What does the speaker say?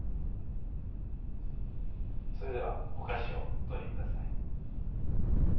それではお菓子をお取り下さい。